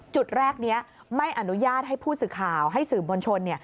จุดแรกนี้ไม่อนุญาตให้ผู้สื่อข่าวให้สื่อมวลชน